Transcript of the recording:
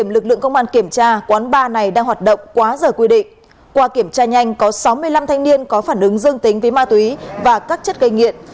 lực lượng công an kiểm tra quán bar này đang hoạt động quá giờ quy định qua kiểm tra nhanh có sáu mươi năm thanh niên có phản ứng dương tính với ma túy và các chất gây nghiện